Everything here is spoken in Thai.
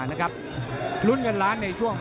นะครับรุ่นกันร้านในช่วง